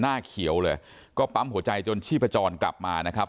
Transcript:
หน้าเขียวเลยก็ปั๊มหัวใจจนชีพจรกลับมานะครับ